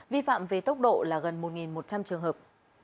vi phạm về tốc độ là gần một một trăm linh trường hợp